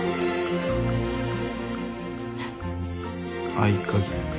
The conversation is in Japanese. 合鍵。